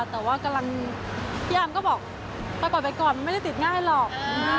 แต่ว่ากำลังพี่อาร์มก็บอกปล่อยไปก่อนมันไม่ได้ติดง่ายหรอก